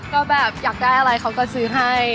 ก็แบบอยากได้อะไรเขาก็ซื้อให้